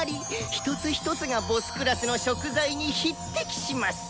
一つ一つが頭級の食材に匹敵します。